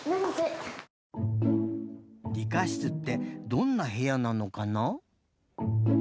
理科室ってどんなへやなのかな？